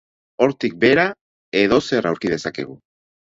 Hortik behera, edozer aurki dezakegu.